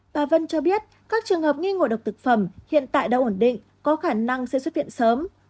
bà vân cho biết các trường hợp nghi ngộ độc thực phẩm hiện tại đã ổn định có khả năng sẽ xuất hiện sớm